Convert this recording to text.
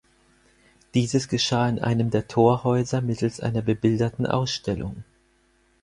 Dieses geschah in einem der Torhäuser mittels einer bebilderten Ausstellung.